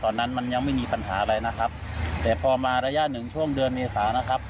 ตอนนั้นมันยังไม่มีปัญหาอะไรนะครับแต่พอมาระยะหนึ่งช่วงเดือนเมษานะครับ